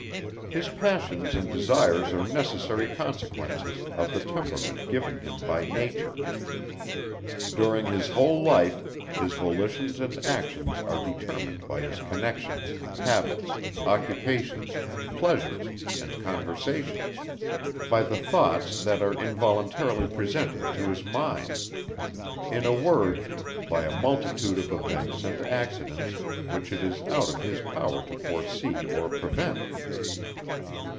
His passions and desires are necessary consequences of the temperament given him by nature. During his whole life, his volitions and actions are determined by his connections, habits, occupations, pleasures, and conversations; by the thoughts, that are involuntarily presented to his mind; in a word, by a multitude of events and accidents, which it is out of his power to foresee or prevent.